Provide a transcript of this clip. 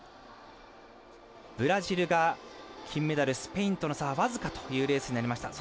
ブラジルが金メダルスペインとの差は僅かというレースになりました。